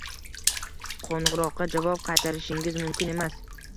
Qo‘ng‘iroqqa javob qaytarishingiz mumkin emas.